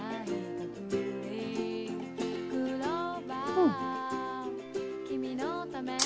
うん。